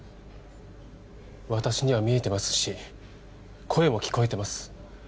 私には見えてますし声も聞こえてます